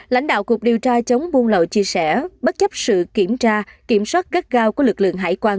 lãnh đạo cục điều tra chống buôn lậu chia sẻ bất chấp sự kiểm tra kiểm soát gắt gao của lực lượng hải quan